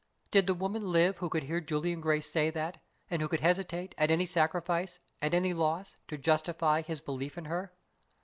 Did the woman live who could hear Julian Gray say that, and who could hesitate, at any sacrifice, at any loss, to justify his belief in her?